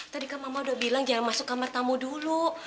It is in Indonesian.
tadi kan mama udah bilang jangan masuk kamar tamu dulu